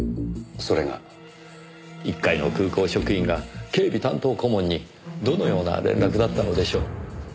それが？一介の空港職員が警備担当顧問にどのような連絡だったのでしょう？